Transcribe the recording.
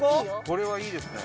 これはいいですね。